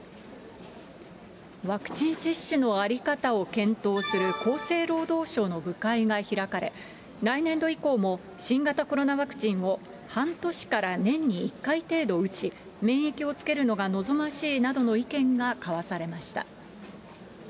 ワクチン接種の在り方を検討する厚生労働省の部会が開かれ、来年度以降も新型コロナワクチンを半年から年に１回程度打ち、免疫をつけるのが望ましいなどの意見が交わされました。